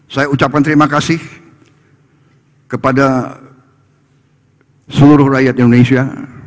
saya ucapkan terima kasih kepada seluruh rakyat indonesia